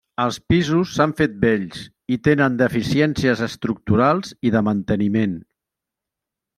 Els pisos s'han fet vells, i tenen deficiències estructurals i de manteniment.